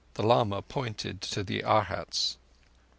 The lama pointed to the Arhats.